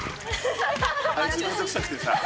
あいつ、面倒くさくてさ。